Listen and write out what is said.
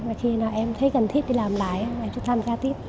và khi nào em thấy cần thiết đi làm lại thì em tham gia tiếp